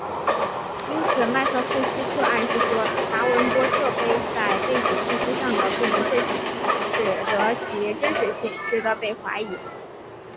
因此麦克库西克暗示说达文波特碑在背景信息上的不明确性使得其真实性值得被怀疑。